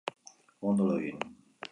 Ondo lo egin.